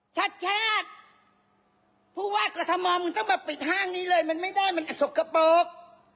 ชัดพูดว่ากฏมมึงต้องมาปิดห้างนี้เลยมันไม่ได้มันอสกโกโปรก